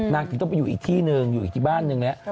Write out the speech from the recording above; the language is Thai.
ถึงต้องไปอยู่อีกที่หนึ่งอยู่อีกที่บ้านนึงแล้ว